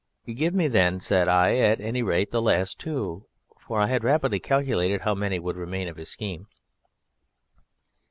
"Give me, then," said I, "at any rate the last two." For I had rapidly calculated how many would remain of his scheme.